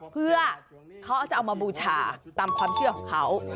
เพื่อเขาจะเอามาบูชาตามความเชื่อของเขา